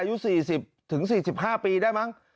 อายุ๔๐๔๕ปีได้มั้ง